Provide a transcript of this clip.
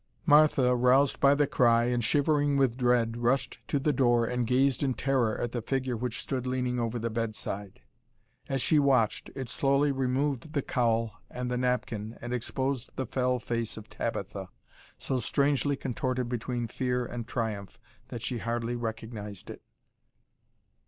Martha, roused by the cry, and shivering with dread, rushed to the door and gazed in terror at the figure which stood leaning over the bedside. As she watched, it slowly removed the cowl and the napkin and exposed the fell face of Tabitha, so strangely contorted between fear and triumph that she hardly recognized it.